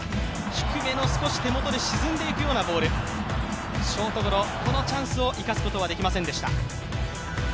低めの少し手元で沈んでいくようなボール、ショートゴロ、このチャンスを生かすことはできませんでした。